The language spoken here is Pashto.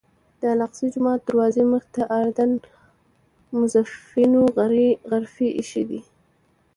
د الاقصی جومات دروازې مخې ته د اردن موظفینو غرفې ایښي دي.